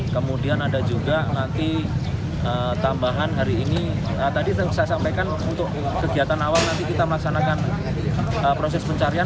kemudian ada juga nanti tambahan hari ini tadi saya sampaikan untuk kegiatan awal nanti kita melaksanakan proses pencarian